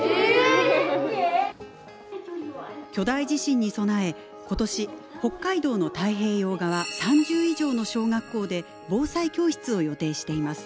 巨大地震に備え今年北海道の太平洋側３０以上の小学校で防災教室を予定しています。